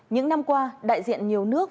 những năm qua đại diện nhiều nước